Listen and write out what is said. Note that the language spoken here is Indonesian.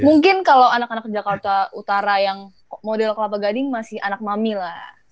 mungkin kalau anak anak jakarta utara yang model kelapa gading masih anak mami lah